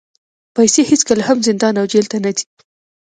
پیسې هېڅکله هم زندان او جېل ته نه ځي.